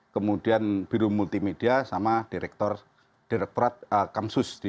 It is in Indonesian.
kemudian biru multimedia sama direkturat kamsus